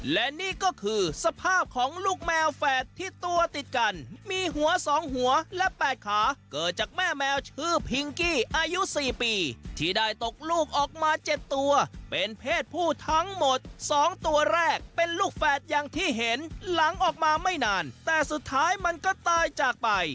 และนี่ก็คือสภาพของลูกแมวแฝดที่ตัวติดกันมีหัว๒หัวและ๘ขาเกิดจากแม่แมวชื่อพิงกี้อายุ๔ปีที่ได้ตกลูกออกมา๗ตัวเป็นเพศผู้ทั้งหมด๒ตัวแรกเป็นลูกแฝดอย่างที่เห็นหลังออกมาไม่นานแต่สุดท้ายมันก็ตายจากไป